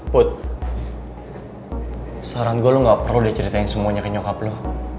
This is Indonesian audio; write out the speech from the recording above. put saran gue lo gak perlu deh ceritain semuanya ke nyokap lo